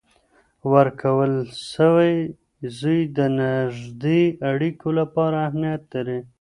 ورکول سوی زوی د نږدې اړیکو لپاره اهمیت لري.